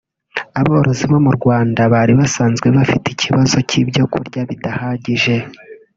Aborozi bo mu Rwanda bari basanzwe bafite ikibazo cy’ibyo kurya bidahagije